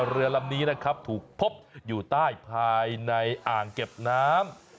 เรือลำนี้นะครับถูกพบอยู่ใต้ภายในอ่างเก็บน้ำ